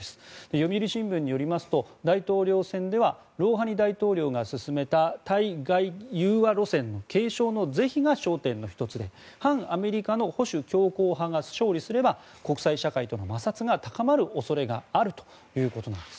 読売新聞によりますと大統領選ではロウハニ大統領が進めた対外融和路線の継承の是非が焦点の１つで反アメリカの保守強硬派が勝利すれば国際社会との摩擦が高まる恐れがあるということです。